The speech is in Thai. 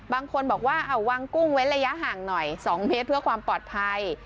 บางคนบอกว่าเอาวางกุ้งเว้นระยะห่างหน่อย๒เมตรเพื่อความปลอดภัย